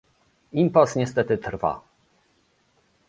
Impas niestety trwa